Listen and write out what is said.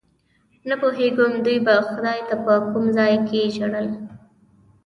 نه پوهېږم دوی به خدای ته په کوم ځای کې ژړل.